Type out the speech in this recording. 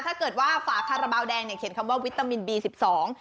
ถ้าเกิดว่าฝากธารเปาเขตรแดงเขียนคำว่าวิตามินบีสิบสอง